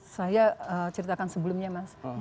saya ceritakan sebelumnya mas